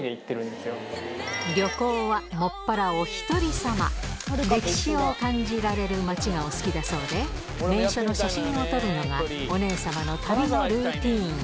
そんな歴史を感じられる町がお好きだそうで名所の写真を撮るのがお姉様の旅のルーティン